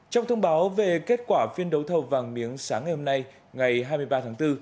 trong thông báo về kết quả phiên đấu thầu vàng miếng sáng ngày hôm nay ngày hai mươi ba tháng bốn